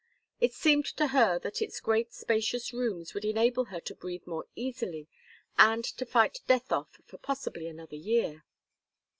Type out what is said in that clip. It seemed to her that its great spacious rooms would enable her to breathe more easily and to fight death off for possibly another year.